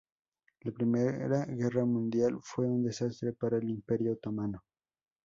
La Primera Guerra Mundial fue un desastre para el Imperio otomano.